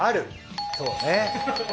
そうね。